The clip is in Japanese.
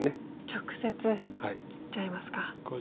直接切っちゃいますか。